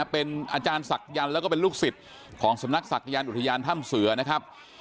เป็นอาจารย์ศักยันต์แล้วก็เป็นลูกศิษย์ของสำนักศักยานอุทยานถ้ำเสือนะครับ